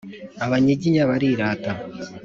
Abanyiginya barirata.